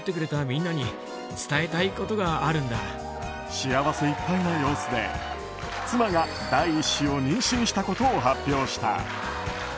幸せいっぱいな様子で、妻が第１子を妊娠したことを発表した。